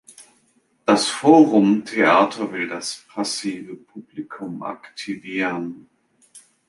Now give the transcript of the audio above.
Das Forumtheater will das passive Publikum aktivieren.